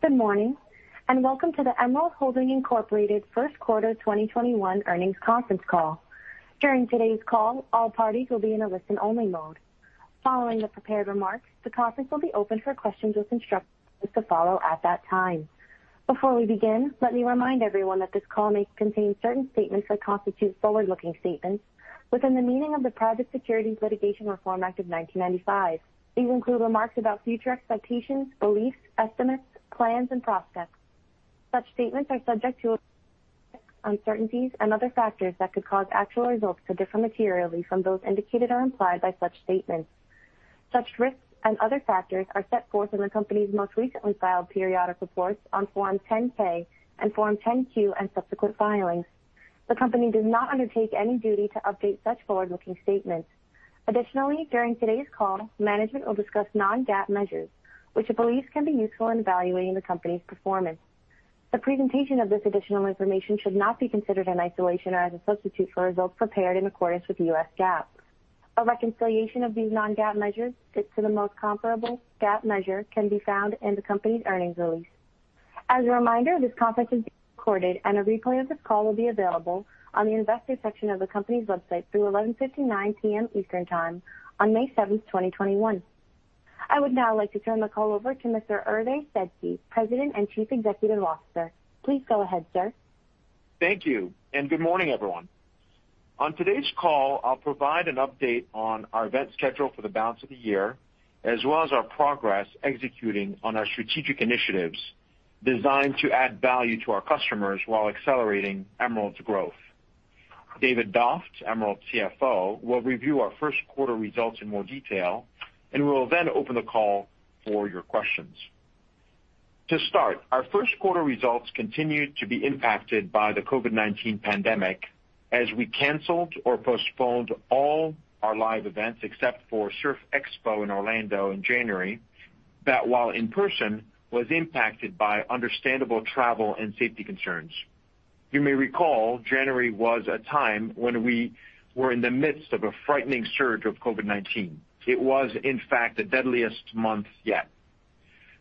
Good morning, and welcome to the Emerald Holding, Inc first quarter 2021 earnings conference call. During today's call, all parties will be in a listen-only mode. Following the prepared remarks, the conference will be open for questions with instructions to follow at that time. Before we begin, let me remind everyone that this call may contain certain statements that constitute forward-looking statements within the meaning of the Private Securities Litigation Reform Act of 1995. These include remarks about future expectations, beliefs, estimates, plans, and prospects. Such statements are subject to uncertainties and other factors that could cause actual results to differ materially from those indicated or implied by such statements. Such risks and other factors are set forth in the company's most recently filed periodic reports on Form 10-K and Form 10-Q and subsequent filings. The company does not undertake any duty to update such forward-looking statements. During today's call, management will discuss non-GAAP measures which it believes can be useful in evaluating the company's performance. The presentation of this additional information should not be considered in isolation or as a substitute for results prepared in accordance with U.S. GAAP. A reconciliation of these non-GAAP measures to the most comparable GAAP measure can be found in the company's earnings release. As a reminder, this conference is being recorded and a replay of this call will be available on the investor section of the company's website through 11:59 PM Eastern Time on May 7th, 2021. I would now like to turn the call over to Mr. Hervé Sedky, President and Chief Executive Officer. Please go ahead, sir. Thank you, and good morning, everyone. On today's call, I'll provide an update on our event schedule for the balance of the year, as well as our progress executing on our strategic initiatives designed to add value to our customers while accelerating Emerald's growth. David Doft, Emerald CFO, will review our first quarter results in more detail, and we will then open the call for your questions. To start, our first quarter results continued to be impacted by the COVID-19 pandemic as we canceled or postponed all our live events except for Surf Expo in Orlando in January, that while in person, was impacted by understandable travel and safety concerns. You may recall January was a time when we were in the midst of a frightening surge of COVID-19. It was in fact the deadliest month yet.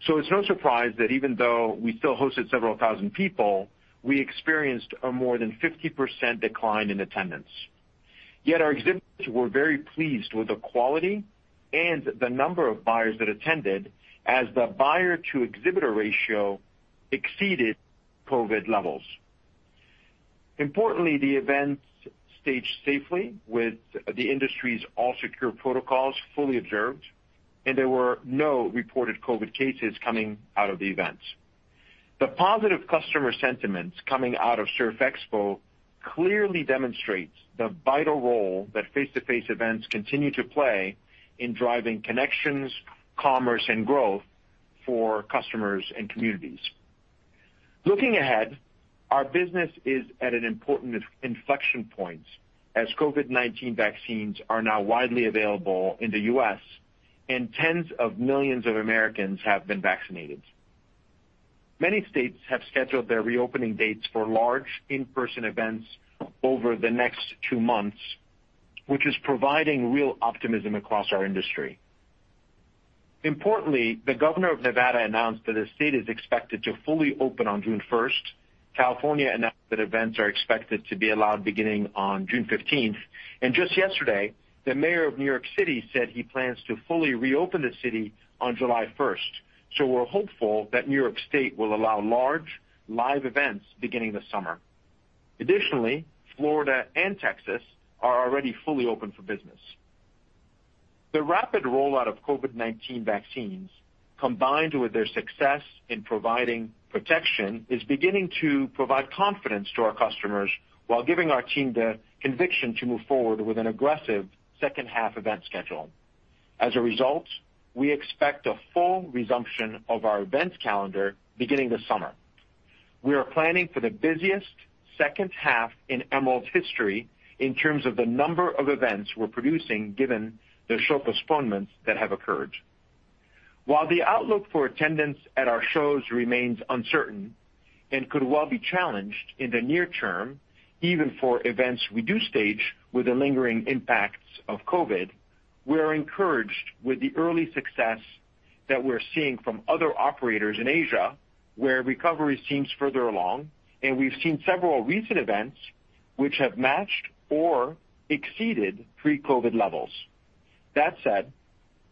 It's no surprise that even though we still hosted several thousand people, we experienced a more than 50% decline in attendance. Yet our exhibitors were very pleased with the quality and the number of buyers that attended as the buyer-to-exhibitor ratio exceeded COVID levels. Importantly, the events staged safely with the industry's All Secure protocols fully observed, and there were no reported COVID cases coming out of the events. The positive customer sentiments coming out of Surf Expo clearly demonstrates the vital role that face-to-face events continue to play in driving connections, commerce, and growth for customers and communities. Looking ahead, our business is at an important inflection point as COVID-19 vaccines are now widely available in the U.S. and tens of millions of Americans have been vaccinated. Many states have scheduled their reopening dates for large in-person events over the next two months, which is providing real optimism across our industry. Importantly, the Governor of Nevada announced that the state is expected to fully open on June 1st. California announced that events are expected to be allowed beginning on June 15th. Just yesterday, the mayor of New York City said he plans to fully reopen the city on July 1st. We're hopeful that New York State will allow large live events beginning this summer. Additionally, Florida and Texas are already fully open for business. The rapid rollout of COVID-19 vaccines, combined with their success in providing protection, is beginning to provide confidence to our customers while giving our team the conviction to move forward with an aggressive second half event schedule. As a result, we expect a full resumption of our events calendar beginning this summer. We are planning for the busiest second half in Emerald's history in terms of the number of events we're producing given the show postponements that have occurred. While the outlook for attendance at our shows remains uncertain and could well be challenged in the near term, even for events we do stage with the lingering impacts of COVID, we are encouraged with the early success that we're seeing from other operators in Asia, where recovery seems further along, and we've seen several recent events which have matched or exceeded pre-COVID levels. That said,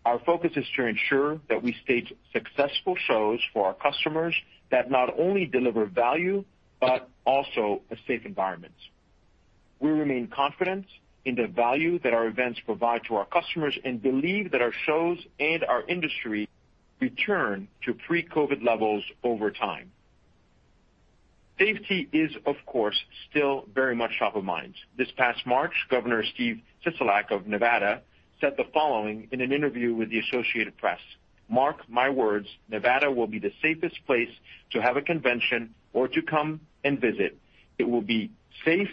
our focus is to ensure that we stage successful shows for our customers that not only deliver value, but also a safe environment. We remain confident in the value that our events provide to our customers and believe that our shows and our industry return to pre-COVID levels over time. Safety is, of course, still very much top of mind. This past March, Governor Steve Sisolak of Nevada said the following in an interview with the Associated Press. "Mark my words, Nevada will be the safest place to have a convention or to come and visit. It will be safe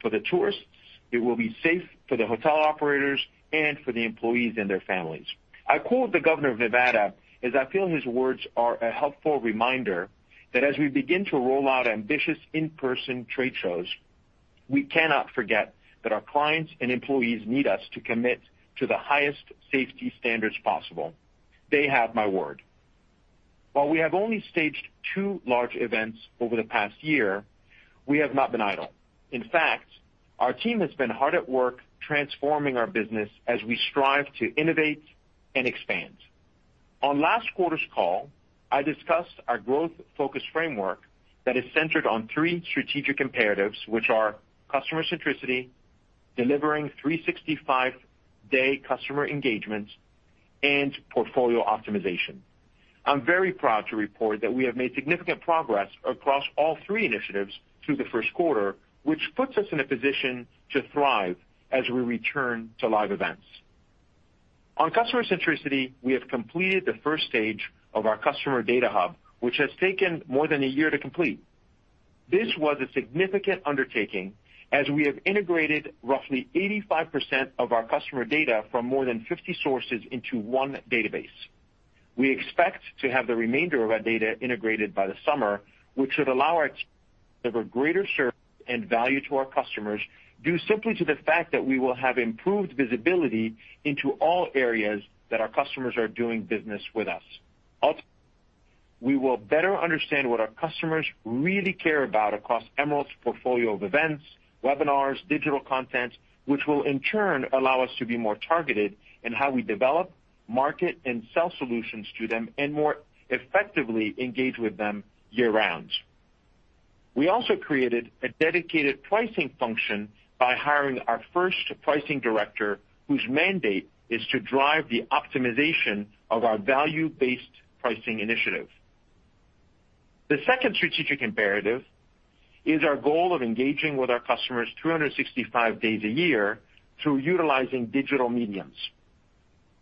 for the tourists. It will be safe for the hotel operators and for the employees and their families." I quote the governor of Nevada as I feel his words are a helpful reminder that as we begin to roll out ambitious in-person trade shows, we cannot forget that our clients and employees need us to commit to the highest safety standards possible. They have my word. While we have only staged two large events over the past year, we have not been idle. In fact, our team has been hard at work transforming our business as we strive to innovate and expand. On last quarter's call, I discussed our growth-focused framework that is centered on three strategic imperatives, which are customer centricity, delivering 365-day customer engagement, and portfolio optimization. I'm very proud to report that we have made significant progress across all three initiatives through the first quarter, which puts us in a position to thrive as we return to live events. On customer centricity, we have completed the first stage of our customer data hub, which has taken more than a year to complete. This was a significant undertaking, as we have integrated roughly 85% of our customer data from more than 50 sources into one database. We expect to have the remainder of that data integrated by the summer, which should allow our team to deliver greater service and value to our customers, due simply to the fact that we will have improved visibility into all areas that our customers are doing business with us. Ultimately, we will better understand what our customers really care about across Emerald's portfolio of events, webinars, digital content, which will in turn allow us to be more targeted in how we develop, market, and sell solutions to them, and more effectively engage with them year-round. We also created a dedicated pricing function by hiring our first pricing director, whose mandate is to drive the optimization of our value-based pricing initiative. The second strategic imperative is our goal of engaging with our customers 365 days a year through utilizing digital mediums.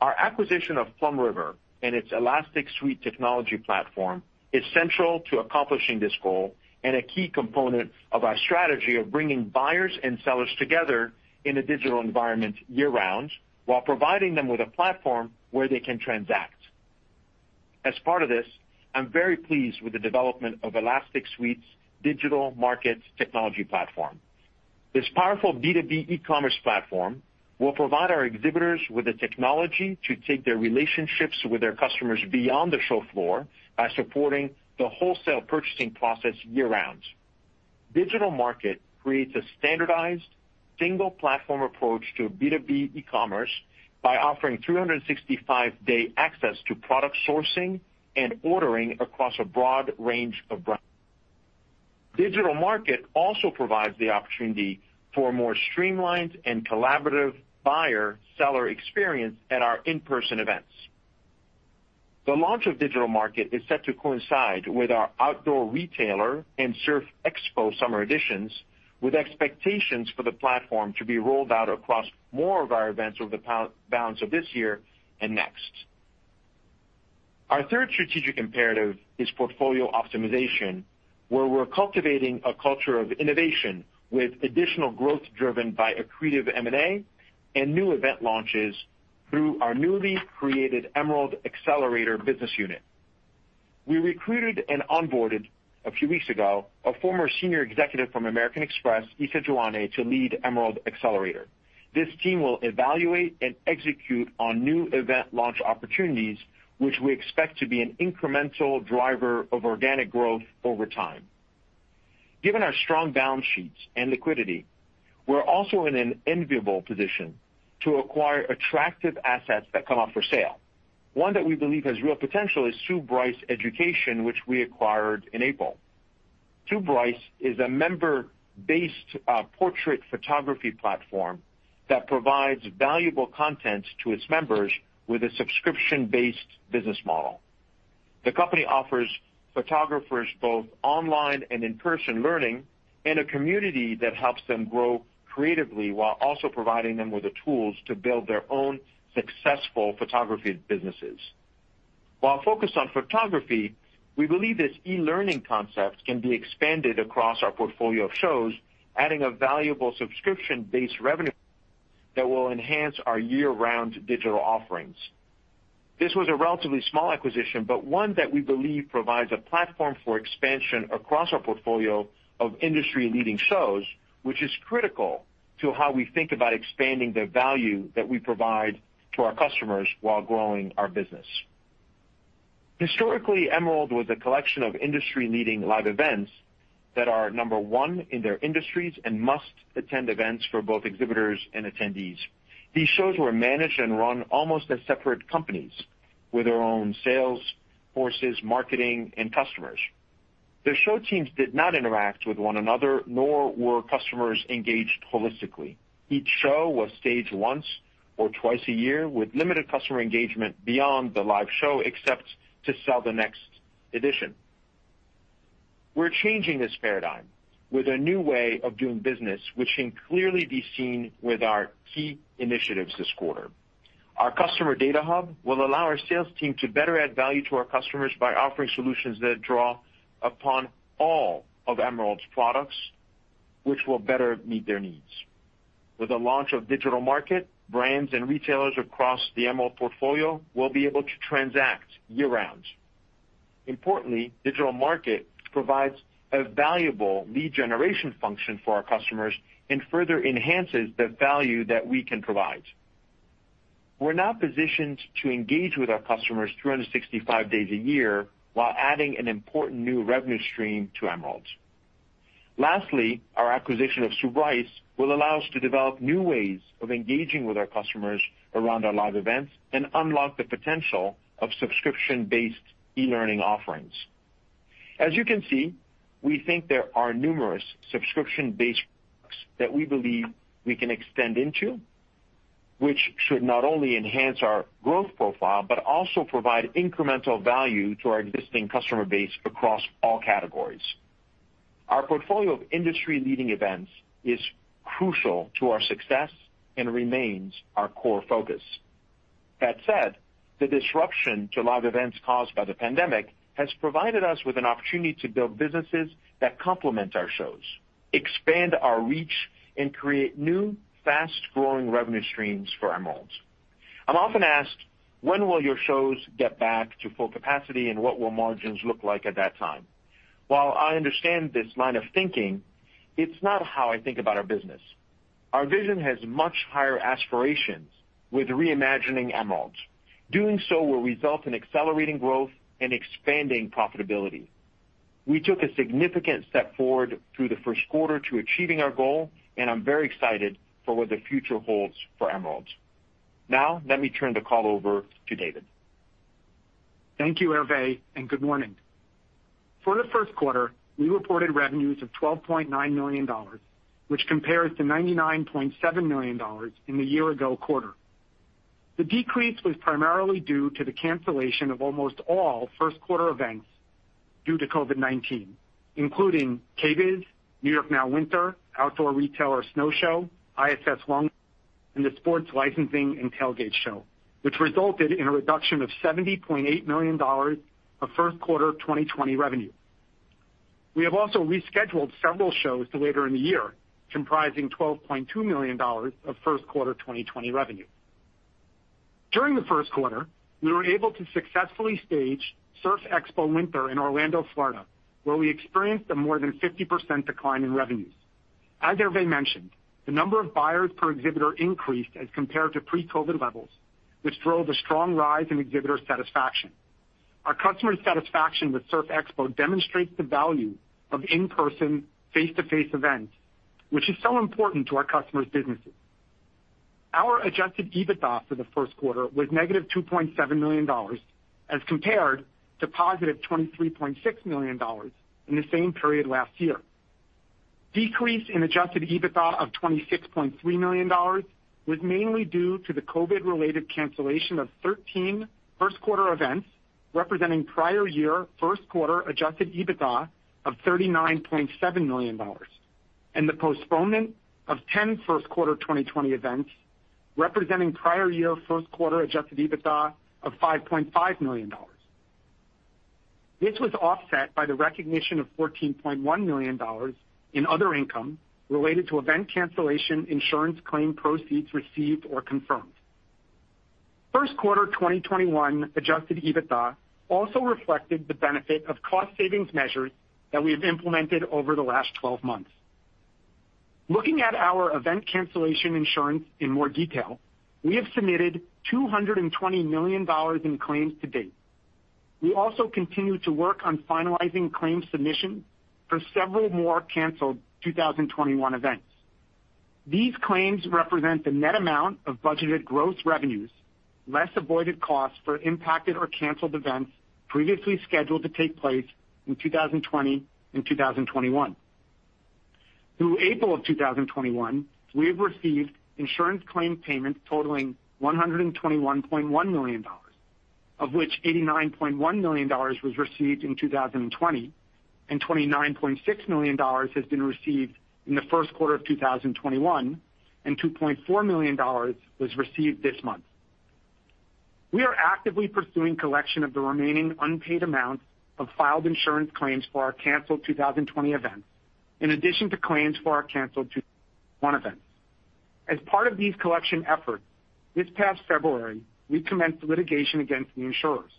Our acquisition of PlumRiver and its Elastic Suite technology platform is central to accomplishing this goal and a key component of our strategy of bringing buyers and sellers together in a digital environment year-round while providing them with a platform where they can transact. As part of this, I'm very pleased with the development of Elastic Suite's Digital Market technology platform. This powerful B2B e-commerce platform will provide our exhibitors with the technology to take their relationships with their customers beyond the show floor by supporting the wholesale purchasing process year-round. Digital Market creates a standardized, single-platform approach to B2B e-commerce by offering 365-day access to product sourcing and ordering across a broad range of brands. Digital Market also provides the opportunity for more streamlined and collaborative buyer-seller experience at our in-person events. The launch of Digital Market is set to coincide with our Outdoor Retailer and Surf Expo summer editions, with expectations for the platform to be rolled out across more of our events over the balance of this year and next. Our third strategic imperative is portfolio optimization, where we're cultivating a culture of innovation with additional growth driven by accretive M&A and new event launches through our newly created Emerald Accelerator business unit. We recruited and onboarded a few weeks ago, a former senior executive from American Express, Issa Jouaneh, to lead Emerald Accelerator. This team will evaluate and execute on new event launch opportunities, which we expect to be an incremental driver of organic growth over time. Given our strong balance sheets and liquidity, we're also in an enviable position to acquire attractive assets that come up for sale. One that we believe has real potential is Sue Bryce Education, which we acquired in April. Sue Bryce is a member-based portrait photography platform that provides valuable content to its members with a subscription-based business model. The company offers photographers both online and in-person learning in a community that helps them grow creatively while also providing them with the tools to build their own successful photography businesses. While focused on photography, we believe this e-learning concept can be expanded across our portfolio of shows, adding a valuable subscription-based revenue that will enhance our year-round digital offerings. This was a relatively small acquisition, but one that we believe provides a platform for expansion across our portfolio of industry-leading shows, which is critical to how we think about expanding the value that we provide to our customers while growing our business. Historically, Emerald was a collection of industry-leading live events that are number one in their industries and must-attend events for both exhibitors and attendees. These shows were managed and run almost as separate companies with their own sales forces, marketing, and customers. The show teams did not interact with one another, nor were customers engaged holistically. Each show was staged once or twice a year with limited customer engagement beyond the live show, except to sell the next edition. We're changing this paradigm with a new way of doing business, which can clearly be seen with our key initiatives this quarter. Our customer data hub will allow our sales team to better add value to our customers by offering solutions that draw upon all of Emerald's products, which will better meet their needs. With the launch of Digital Market, brands and retailers across the Emerald portfolio will be able to transact year-round. Importantly, Digital Market provides a valuable lead generation function for our customers and further enhances the value that we can provide. We're now positioned to engage with our customers 365 days a year while adding an important new revenue stream to Emerald. Lastly, our acquisition of Sue Bryce will allow us to develop new ways of engaging with our customers around our live events and unlock the potential of subscription-based e-learning offerings. As you can see, we think there are numerous subscription-based products that we believe we can extend into, which should not only enhance our growth profile, but also provide incremental value to our existing customer base across all categories. Our portfolio of industry-leading events is crucial to our success and remains our core focus. That said, the disruption to live events caused by the pandemic has provided us with an opportunity to build businesses that complement our shows, expand our reach, and create new, fast-growing revenue streams for Emerald. I'm often asked, "When will your shows get back to full capacity, and what will margins look like at that time?" While I understand this line of thinking, it's not how I think about our business. Our vision has much higher aspirations with reimagining Emerald. Doing so will result in accelerating growth and expanding profitability. We took a significant step forward through the first quarter to achieving our goal, and I'm very excited for what the future holds for Emerald. Now, let me turn the call over to David. Thank you, Hervé. Good morning. For the first quarter, we reported revenues of $12.9 million, which compares to $99.7 million in the year ago quarter. The decrease was primarily due to the cancellation of almost all first-quarter events due to COVID-19, including KBIS, NY NOW Winter, Outdoor Retailer Snow Show, ISS Long Beach, and the Sports Licensing and Tailgate Show, which resulted in a reduction of $70.8 million of first quarter 2020 revenue. We have also rescheduled several shows to later in the year, comprising $12.2 million of first quarter 2020 revenue. During the first quarter, we were able to successfully stage Surf Expo Winter in Orlando, Florida, where we experienced a more than 50% decline in revenues. As Hervé mentioned, the number of buyers per exhibitor increased as compared to pre-COVID levels, which drove a strong rise in exhibitor satisfaction. Our customer satisfaction with Surf Expo demonstrates the value of in-person, face-to-face events, which is so important to our customers' businesses. Our adjusted EBITDA for the first quarter was negative $2.7 million as compared to positive $23.6 million in the same period last year. Decrease in adjusted EBITDA of $26.3 million was mainly due to the COVID-related cancellation of 13 first-quarter events, representing prior year first quarter adjusted EBITDA of $39.7 million, and the postponement of 10 first quarter 2020 events representing prior year first quarter adjusted EBITDA of $5.5 million. This was offset by the recognition of $14.1 million in other income related to event cancellation insurance claim proceeds received or confirmed. First quarter 2021 adjusted EBITDA also reflected the benefit of cost savings measures that we have implemented over the last 12 months. Looking at our event cancellation insurance in more detail, we have submitted $220 million in claims to date. We also continue to work on finalizing claims submission for several more canceled 2021 events. These claims represent the net amount of budgeted gross revenues, less avoided costs for impacted or canceled events previously scheduled to take place in 2020 and 2021. Through April of 2021, we have received insurance claim payments totaling $121.1 million, of which $89.1 million was received in 2020 and $29.6 million has been received in the first quarter of 2021, and $2.4 million was received this month. We are actively pursuing collection of the remaining unpaid amounts of filed insurance claims for our canceled 2020 events, in addition to claims for our canceled 2021 events. As part of these collection efforts, this past February, we commenced litigation against the insurers.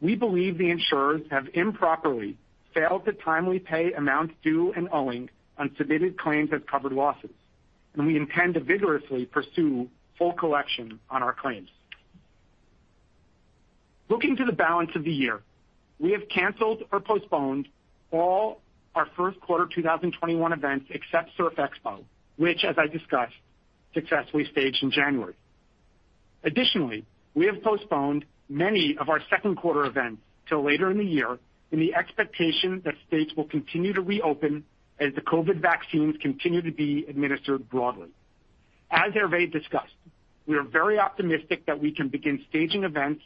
We believe the insurers have improperly failed to timely pay amounts due and owing on submitted claims of covered losses, and we intend to vigorously pursue full collection on our claims. Looking to the balance of the year, we have canceled or postponed all our first quarter 2021 events except Surf Expo, which as I discussed, successfully staged in January. Additionally, we have postponed many of our second quarter events till later in the year in the expectation that states will continue to reopen as the COVID vaccines continue to be administered broadly. As Hervé discussed, we are very optimistic that we can begin staging events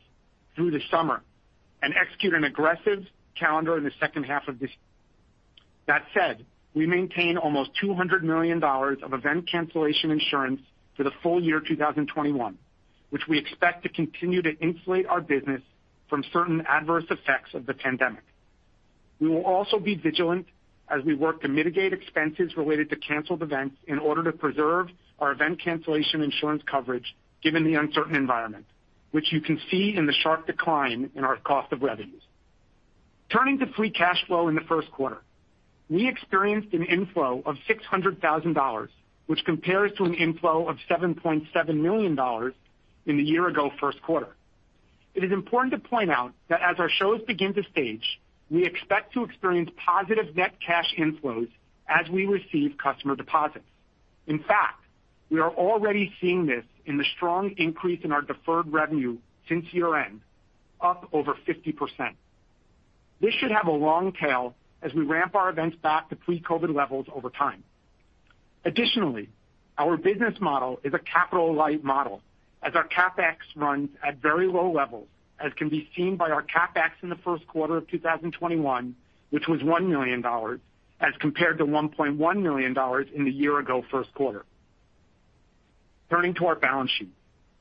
through the summer and execute an aggressive calendar in the second half of this year. That said, we maintain almost $200 million of event cancellation insurance for the full year 2021, which we expect to continue to insulate our business from certain adverse effects of the pandemic. We will also be vigilant as we work to mitigate expenses related to canceled events in order to preserve our event cancellation insurance coverage, given the uncertain environment, which you can see in the sharp decline in our cost of revenues. Turning to free cash flow in the first quarter. We experienced an inflow of $600,000, which compares to an inflow of $7.7 million in the year ago first quarter. It is important to point out that as our shows begin to stage, we expect to experience positive net cash inflows as we receive customer deposits. In fact, we are already seeing this in the strong increase in our deferred revenue since year-end, up over 50%. This should have a long tail as we ramp our events back to pre-COVID levels over time. Additionally, our business model is a capital-light model as our CapEx runs at very low levels, as can be seen by our CapEx in the first quarter of 2021, which was $1 million as compared to $1.1 million in the year-ago first quarter. Turning to our balance sheet.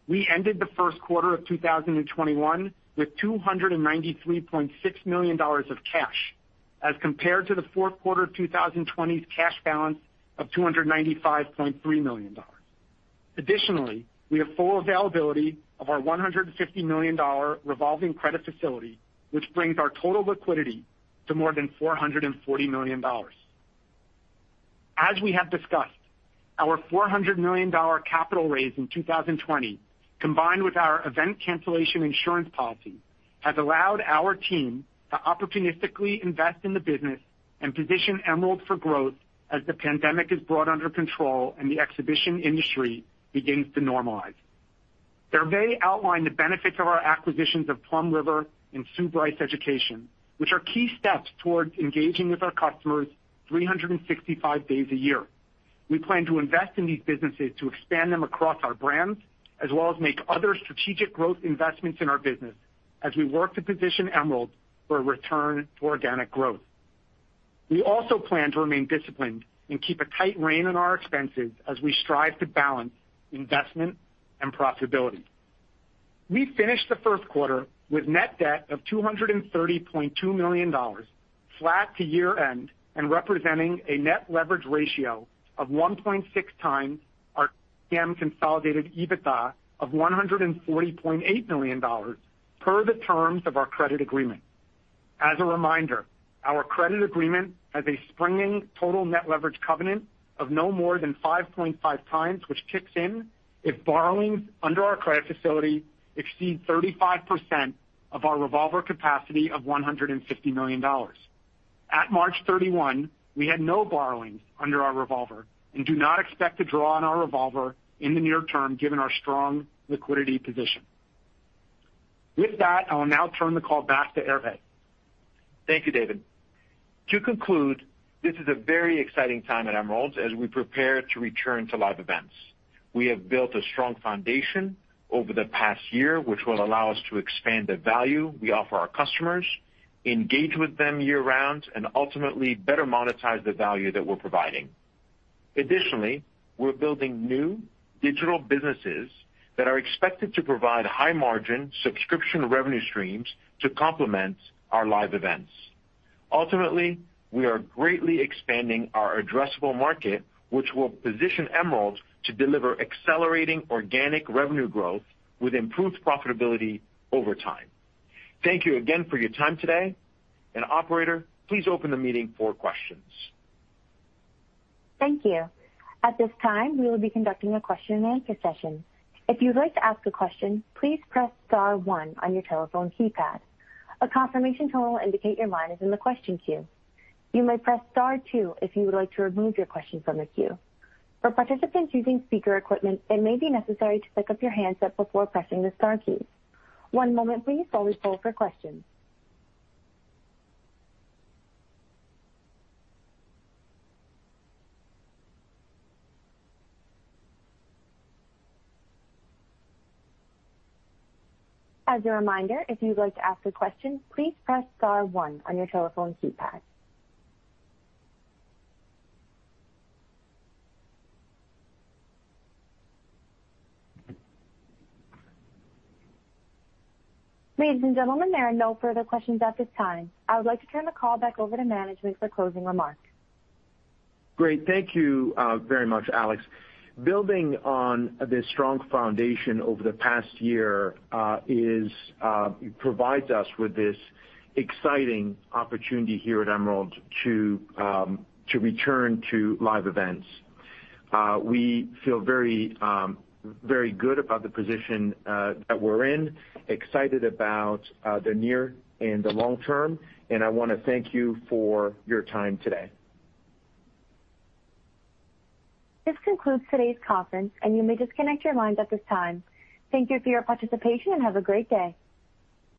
We ended the first quarter of 2021 with $293.6 million of cash as compared to the fourth quarter of 2020's cash balance of $295.3 million. Additionally, we have full availability of our $150 million revolving credit facility, which brings our total liquidity to more than $440 million. As we have discussed, our $400 million capital raise in 2020, combined with our event cancellation insurance policy, has allowed our team to opportunistically invest in the business and position Emerald for growth as the pandemic is brought under control and the exhibition industry begins to normalize. Hervé outlined the benefits of our acquisitions of PlumRiver and Sue Bryce Education, which are key steps towards engaging with our customers 365 days a year. We plan to invest in these businesses to expand them across our brands, as well as make other strategic growth investments in our business as we work to position Emerald for a return to organic growth. We also plan to remain disciplined and keep a tight rein on our expenses as we strive to balance investment and profitability. We finished the first quarter with net debt of $230.2 million, flat to year-end and representing a net leverage ratio of 1.6x our credit agreement consolidated EBITDA of $140.8 million per the terms of our credit agreement. As a reminder, our credit agreement has a springing total net leverage covenant of no more than 5.5x, which kicks in if borrowings under our credit facility exceed 35% of our revolver capacity of $150 million. At March 31, we had no borrowings under our revolver and do not expect to draw on our revolver in the near term given our strong liquidity position. With that, I will now turn the call back to Hervé. Thank you, David. To conclude, this is a very exciting time at Emerald as we prepare to return to live events. We have built a strong foundation over the past year which will allow us to expand the value we offer our customers, engage with them year-round, and ultimately better monetize the value that we're providing. Additionally, we're building new digital businesses that are expected to provide high-margin subscription revenue streams to complement our live events. Ultimately, we are greatly expanding our addressable market, which will position Emerald to deliver accelerating organic revenue growth with improved profitability over time. Thank you again for your time today. Operator, please open the meeting for questions. Thank you. At this time, we will be conducting a question and answer session. If you'd like to ask a question, please press star one on your telephone keypad. A confirmation tone will indicate your line is in the question queue. You may press star two if you would like to remove your question from the queue. For participants using speaker equipment, it may be necessary to pick up your handset before pressing the star keys. One moment please while we poll for questions. As a reminder, if you'd like to ask a question, please press star one on your telephone keypad. Ladies and gentlemen, there are no further questions at this time. I would like to turn the call back over to management for closing remarks. Great. Thank you very much, Alex. Building on this strong foundation over the past year provides us with this exciting opportunity here at Emerald to return to live events. We feel very good about the position that we're in, excited about the near and the long term, and I want to thank you for your time today. This concludes today's conference, and you may disconnect your lines at this time. Thank you for your participation, and have a great day.